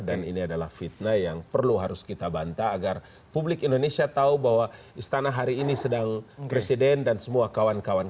dan ini adalah fitnah yang perlu harus kita bantah agar publik indonesia tahu bahwa istana hari ini sedang presiden dan semua kawan kawan